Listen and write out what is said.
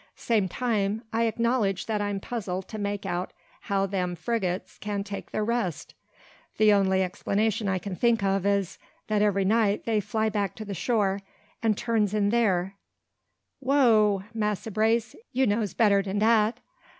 Same time I acknowledge that I'm puzzled to make out how them thar frigates can take thar rest. The only explanation I can think o' is, that every night they fly back to the shore, an' turns in thar." "Whoogh! Massa Brace, you knows better dan dat.